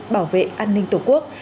bảo vệ an ninh tổ quốc